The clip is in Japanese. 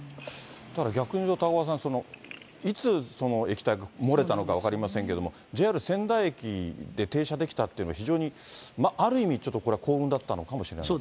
逆にいうと、高岡さん、いつその液体が漏れたのか分かりませんけれども、ＪＲ仙台駅で停車できたというのは、非常に、ある意味、ちょっとこれは幸運だったのかもしれないです